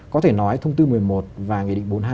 có thể nói thông tư một mươi một và nghị định bốn mươi hai